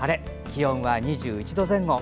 気温は２１度前後。